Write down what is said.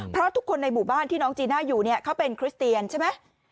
เพราะทุกคนในหมู่บ้านที่น้องจีน่าอยู่เนี่ยเขาเป็นคริสเตียนใช่ไหม